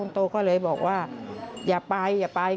คือตอนที่แม่ไปโรงพักที่นั่งอยู่ที่สพ